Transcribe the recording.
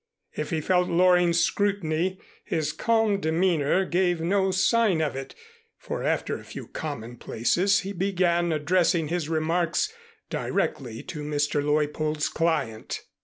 If he felt Loring's scrutiny, his calm demeanor gave no sign of it, for after a few commonplaces he began addressing his remarks directly to Mr. Leuppold's client.